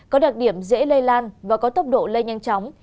có đặc điểm dễ lây lan và có tốc độ lây nhanh chóng